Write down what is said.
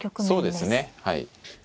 そうですねはい。